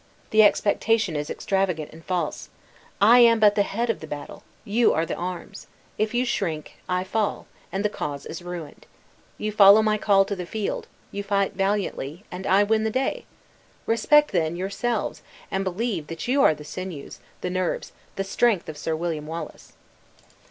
The expectation is extravagant and false. I am but the head of the battle, you are the aims; if you shrink, I fall, and the cause is ruined. You follow my call to the field, you fight valiantly, and I win the day! Respect then yourselves; and believe that you are the sinews, the nerves, the strength of Sir William Wallace!"